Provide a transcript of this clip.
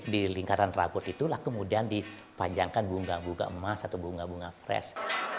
di lingkaran rambut itulah kemudian dipanjangkan bunga bunga emas atau bunga bunga fresh